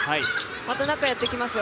また中やってきますよ